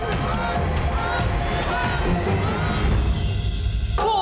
ถูกครับ